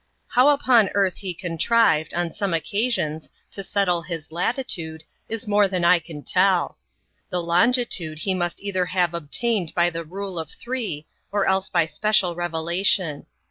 How upon earth he contrived, on some occasions, to settle his latitude, is more than I can tell. The longitude, he must either have obtained by the rule of three, or else by special revelation.